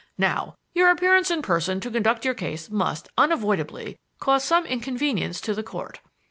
Now, your appearance in person to conduct your case must, unavoidably, cause some inconvenience to the Court.